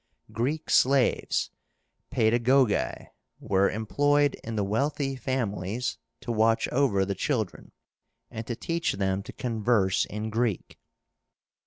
Greek slaves (paedagogi) were employed in the wealthy families to watch over the children, and to teach them to converse in Greek.